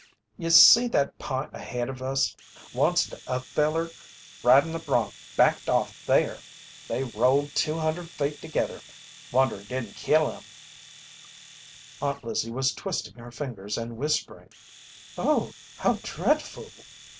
"You see that p'int ahead of us? Onct a feller ridin' a bronc backed off there. They rolled two hundred feet together. Wonder it didn't kill 'em." Aunt Lizzie was twisting her fingers and whispering: "Oh, how dread ful!"